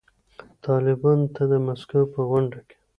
طالبانو ته د مسکو په غونډه کې